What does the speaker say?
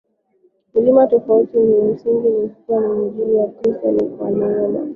mlimani Tofauti ya msingi ni kuwa kwa mujibu wa Kristo ni kwa neema